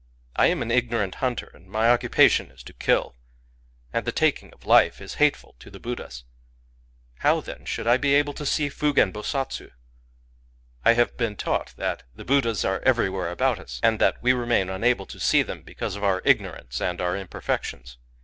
I am an ignorant hunter, and my occupation is to kill; — and the taking of life is hateful to the Buddhas. How then should I be able to see Fugen Bosatsu? I have been taught that the Buddhas are everywhere about us, and that we remain unable to see them because of our igno rance and our imperfections.